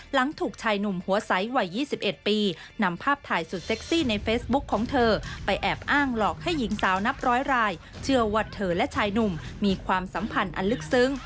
หลังถูกชายหนุ่มหัวใสวัย๒๑ปีนำภาพถ่ายสุดเซ็กซี่ในเฟซบุ๊คของเธอไปแอบอ้างหลอกให้หญิงสาวนับร้อยรายเชื่อว่าเธอและชายหนุ่มมีความสัมพันธ์อันลึกซึ้ง